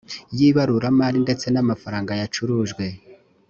y ibarurmari ndetse n amafaranga yacurujwe